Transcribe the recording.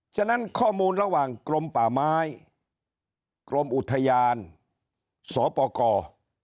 ฉะนั้นข้อมูลระหว่างกรมป่าไม้กรมอุทยานสปกร